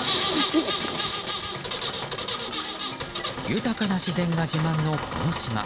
豊かな自然が自慢のこの島。